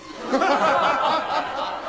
ハハハハ。